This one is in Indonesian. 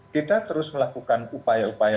kita terus melakukan upaya upaya